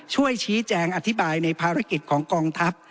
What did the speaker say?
ช่วยชี้แจงอธิบายในภารกิจของกองทัพ